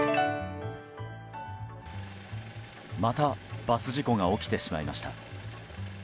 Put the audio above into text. またバス事故が起きてしまいました。